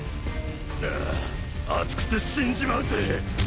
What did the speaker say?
あ熱くて死んじまうぜ。